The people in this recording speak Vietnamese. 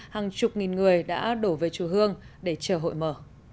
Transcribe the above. hàng chục nghìn người đã đổ về chùa hương để chờ hội mở